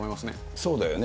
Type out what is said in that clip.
そうだよね。